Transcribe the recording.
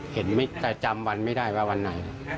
เห็นแต่จำวันไม่ได้ว่าวันไหน